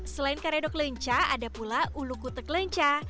selain karedok lenca ada pula ulu kutek lenca